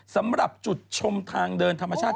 สำหรับจุดชมทางเดินธรรมชาติ